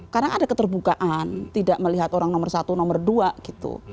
karena ada keterbukaan tidak melihat orang nomor satu nomor dua gitu